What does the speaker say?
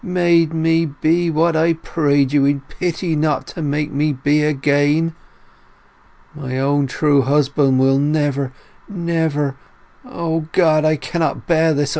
made me be what I prayed you in pity not to make me be again!... My own true husband will never, never—O God—I can't bear this!